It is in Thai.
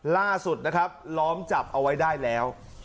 ล่าสุดนะครับล้อมจับเอาไว้ได้แล้ว